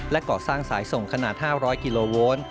ก่อสร้างสายส่งขนาด๕๐๐กิโลโวลต์